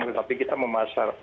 tetapi kita memasar